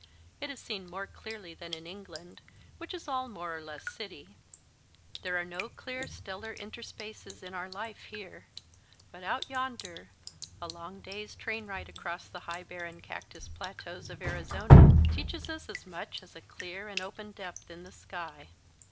It is seen more clearly than in England, which is all more or less city. THE VERY PRAIRIE DOGS TAUGHT ME There are no clear stellar interspaces in our life here. But out yonder, a long clay s train ride across the high barren cactus plateaus of Arizona teaches us as much as a clear and open depth in the sky.